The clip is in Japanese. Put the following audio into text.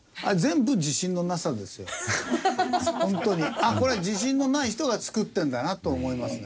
あっこれ自信のない人が作ってるんだなと思いますね。